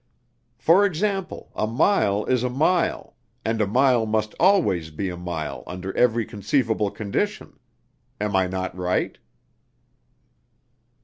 For example, a mile is a mile, and a mile must always be a mile under every conceivable condition. Am I not right?"